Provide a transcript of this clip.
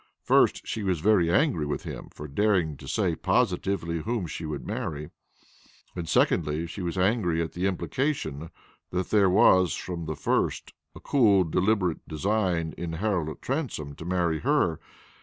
First, she was very angry with him for daring to say positively whom she would marry; and secondly, she was angry at the implication that there was from the first a cool deliberate design in Harold Transome to marry her.